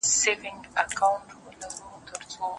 له قسمت سره په جنګ یم، پر آسمان غزل لیکمه